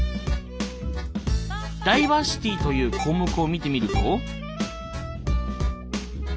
「ダイバーシティ」という項目を見てみると。